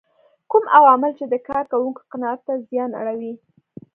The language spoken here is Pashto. کوم عوامل چې د کار کوونکو قناعت ته زیان اړوي.